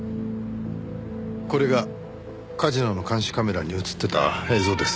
これがカジノの監視カメラに映ってた映像です。